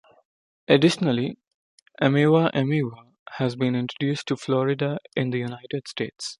Additionally, "Ameiva ameiva" has been introduced to Florida in the United States.